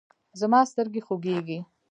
زما سترګې خوږیږي